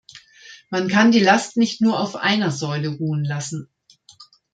Man kann die Last nicht nur auf einer Säule ruhen lassen.